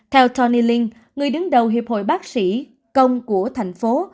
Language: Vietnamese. theo tony linh người đứng đầu hiệp hội bác sĩ công của thành phố